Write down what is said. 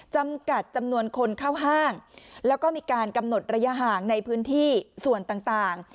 จำกัดจำนวนคนเข้าห้างแล้วก็มีการกำหนดระยะห่างในพื้นที่ส่วนต่าง